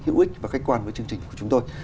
hữu ích và khách quan với chương trình của chúng tôi